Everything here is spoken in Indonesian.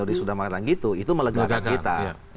itu melegaran kita